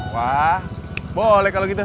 wah boleh kalau gitu